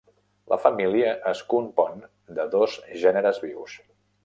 La família es compon de dos gèneres vius.